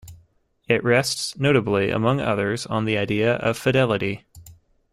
It rests notably, among others, on the idea of Fidelity.